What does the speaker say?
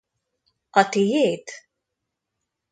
A tiéd?